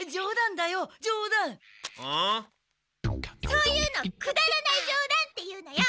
そういうのくだらない冗談っていうのよ。